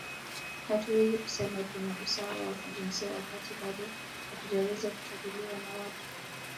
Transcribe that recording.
Hatuwezi kusema tuna usawa wa kijinsia wakati bado hatujaweza kuchaguliwa na watu